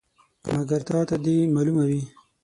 مګر تا ته دې معلومه وي.